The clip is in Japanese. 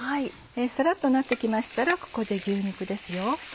サラっとなって来ましたらここで牛肉ですよ。